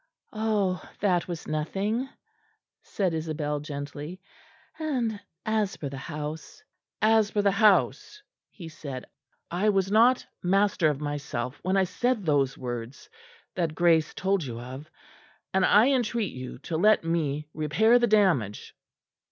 "Ah! that was nothing," said Isabel gently; "and as for the house " "As for the house," he said, "I was not master of myself when I said those words that Grace told you of; and I entreat you to let me repair the damage."